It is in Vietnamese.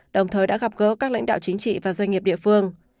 đồng thời đã gặp gỡ các lãnh đạo chính trị và doanh nghiệp địa phương